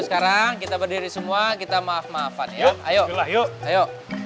sekarang kita berdiri semua kita maaf maafan ya ayolah yuk ayo